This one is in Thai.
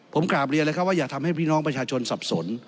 ผมกราบเรียนเลยครับว่าอย่าทำให้พี่น้องประชาชนสับสน